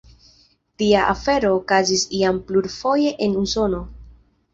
Tia afero okazis jam plurfoje en Usono.